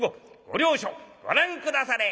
ご両所ご覧下され』。